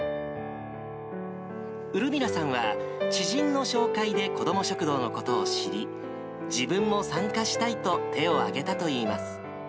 ウルミラさんは、知人の紹介で子ども食堂のことを知り、自分も参加したいと手を挙げたといいます。